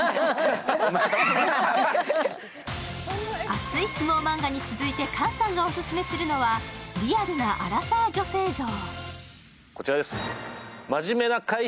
熱い相撲マンガに続いて、菅さんがオススメするのはリアルなアラサー女性像。